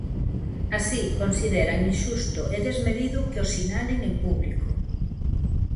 Así, consideran "inxusto e desmedido" que os sinalen en público.